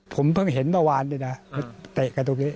ผมเพิ่งเห็นเมื่อวานดีนะเตะกระตูนี้เนี่ย